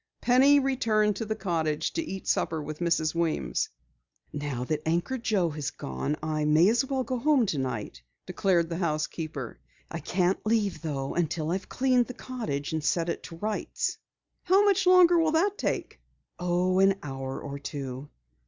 Penny returned to the cottage to eat supper with Mrs. Weems. "Now that Anchor Joe has gone, I may as well go home tonight," declared the housekeeper. "I can't leave, though, until I've cleaned the cottage and set it to rights." "How much longer will it take?" "Oh, an hour or two."